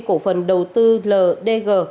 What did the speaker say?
cổ phần đầu tư ldg